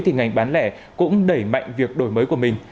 thì ngành bán lẻ cũng đẩy mạnh việc đổi mới của mình